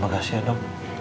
terima kasih ya dok